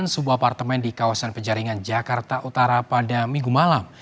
sebuah apartemen di kawasan penjaringan jakarta utara pada minggu malam